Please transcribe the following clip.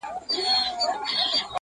د ګیدړ په باټو ډېر په ځان غره سو!